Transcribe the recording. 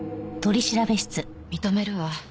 認めるわ。